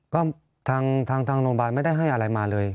ก็ทางโรงพยาบาลไม่ได้ให้อะไรมาเลย